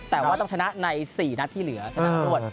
แต่ว่าต้องชนะใน๔นัดที่เหลือชนะรวด